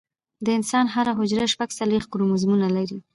د انسان هره حجره شپږ څلوېښت کروموزومونه لري